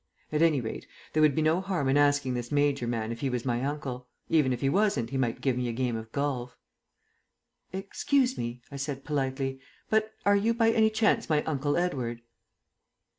At any rate there would be no harm in asking this major man if he was my uncle. Even if he wasn't he might give me a game of golf. "Excuse me," I said politely, "but are you by any chance my Uncle Edward?"